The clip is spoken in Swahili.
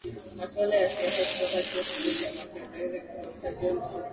maswala ya siasa kutoka chuo kikuu cha makerere dokta john zokwa